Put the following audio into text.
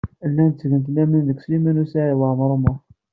Llant ttgent laman deg Sliman U Saɛid Waɛmaṛ U Muḥ.